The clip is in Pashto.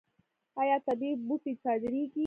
آیا طبیعي بوټي صادریږي؟